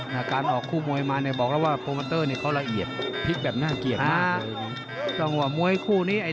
เนี่ยการออกคู่มวยมาเนี่ยบอกแล้วว่าโกรมเมอร์เตอร์เนี่ยเค้าระเอียดพลิกแบบน่าเกียจมากเลย